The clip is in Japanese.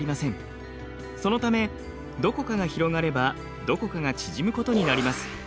そのためどこかが広がればどこかが縮むことになります。